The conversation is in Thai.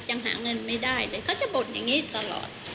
ยังหาเงินไม่ได้เลยเขาจะบ่นอย่างนี้ตลอด